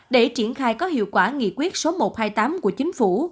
để triển khai có hiệu quả nghị quyết số một trăm hai mươi tám của chính phủ